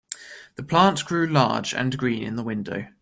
The plant grew large and green in the window.